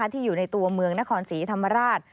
อยู่ในตัวเมืองนครศรีธรรมราช